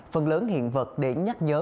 phần lớn hiện vật để nhắc nhớ